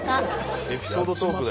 エピソードトークだよほら。